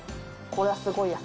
これはすごいや。